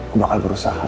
gua bakal berusaha